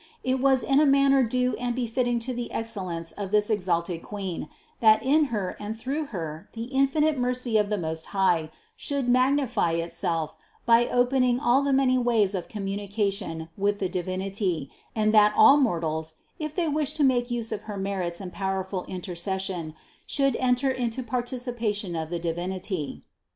It was in a manner due and befitting to the excellence of this exalted Queen, that in Her and through Her the infinite mercy of the Most High should magnify itself by opening all the many ways of com munication with the Divinity, and that all mortals, if they wished to make use of her merits and powerful in tercession, should enter into participation of the Divin ity.